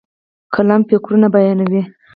قلم فکرونه بیانوي.